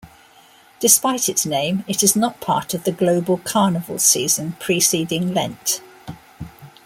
Despite its name, it is not part of the global Carnival season preceding Lent.